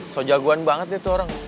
so jagoan banget dia tuh orang